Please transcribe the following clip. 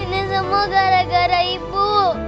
ini semua gara gara ibu